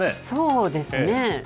そうですね。